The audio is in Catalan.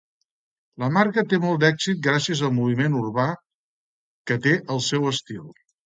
La marca té molt d'èxit gràcies al moviment urbà que té el seu estil.